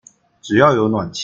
只要有暖氣